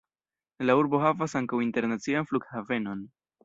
La urbo havas ankaŭ internacian flughavenon.